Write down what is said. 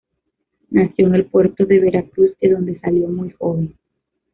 Nació en el Puerto de Veracruz, de donde salió muy joven.